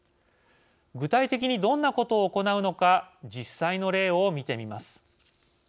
具体的にどんなことを行うのか実際の例を見てみます。